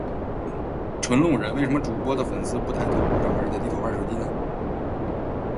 纯路人，为什么主播的粉丝不抬头鼓掌而是在低头玩手机呢？